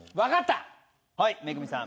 はい恵さん